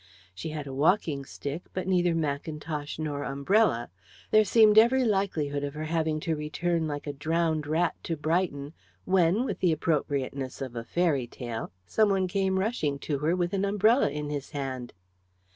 She had a walking stick, but neither mackintosh nor umbrella. There seemed every likelihood of her having to return like a drowned rat to Brighton, when, with the appropriateness of a fairy tale, some one came rushing to her with an umbrella in his hand.